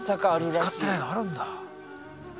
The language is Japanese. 見つかってないのあるんだ。